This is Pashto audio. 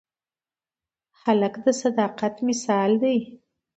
هلک د صداقت مثال دی.